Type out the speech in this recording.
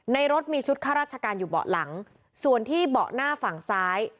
รถมีชุดข้าราชการอยู่เบาะหลังส่วนที่เบาะหน้าฝั่งซ้าย